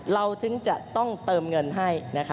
เราถึงจะต้องเติมเงินให้นะคะ